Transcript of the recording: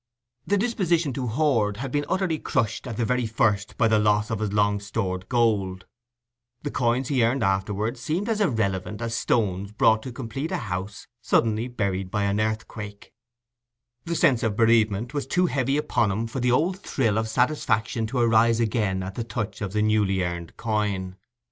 The disposition to hoard had been utterly crushed at the very first by the loss of his long stored gold: the coins he earned afterwards seemed as irrelevant as stones brought to complete a house suddenly buried by an earthquake; the sense of bereavement was too heavy upon him for the old thrill of satisfaction to arise again at the touch of the newly earned coin.